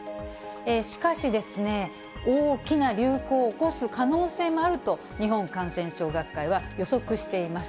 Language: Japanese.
しかし、大きな流行を起こす可能性があると、日本感染症学会は予測しています。